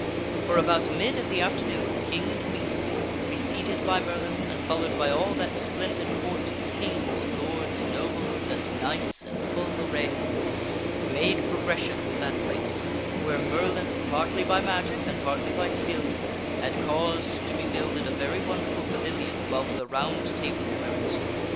For about mid of the afternoon the King and Queen, preceded by Merlin and followed by all that splendid Court of kings, lords, nobles and knights in full array, made progression to that place where Merlin, partly by magic and partly by skill, had caused to be builded a very wonderful pavilion above the Round Table where it stood.